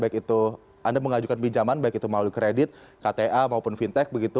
baik itu anda mengajukan pinjaman baik itu melalui kredit kta maupun fintech begitu